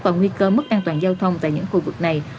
và nguy cơ mất an toàn giao thông tại những khu vực này